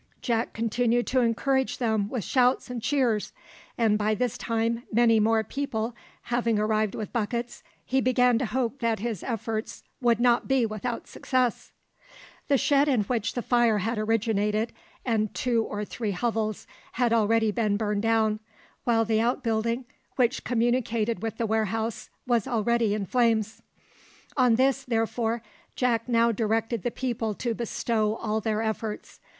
Jack continued to encourage them with shouts and cheers, and by this time many more people having arrived with buckets, he began to hope that his efforts would not be without success. The shed in which the fire had originated, and two or three hovels, had already been burned down, while the outbuilding which communicated with the warehouse was already in flames: on this, therefore, Jack now directed the people to bestow all their efforts.